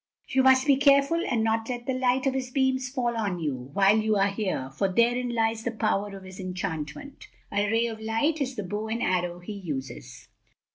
You must be careful and not let the light of his beams fall on you, while you are here, for therein lies the power of his enchantment. A ray of light is the bow and arrow he uses."